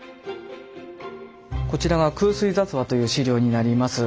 こちらは「空翠雑話」という史料になります。